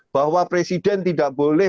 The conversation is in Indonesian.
bahwa presiden tidak boleh